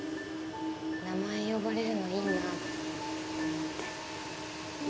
名前呼ばれるのいいなと思って。